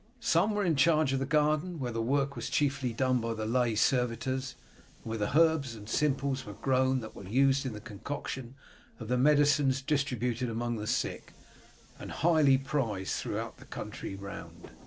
Some were in charge of the garden, where the work was chiefly done by the lay servitors, and where the herbs and simples were grown that were used in the concoction of the medicines distributed among the sick, and highly prized throughout the country round.